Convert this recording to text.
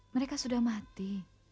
mereka sudah mati